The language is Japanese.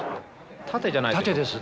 盾じゃないですか？